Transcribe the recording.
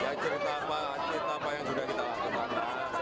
ya cerita apa cerita apa yang sudah kita lakukan